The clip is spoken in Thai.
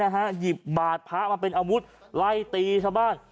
หยิบบาดพระมาเป็นอาวุธไล่ตีชาวบ้าน